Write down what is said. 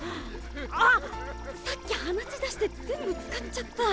あっさっき鼻血出して全部使っちゃった。